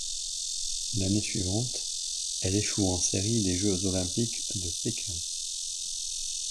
L'année suivante, elle échoue en séries des Jeux olympiques de Pékin.